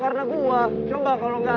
kita udah langsung banget dan two ih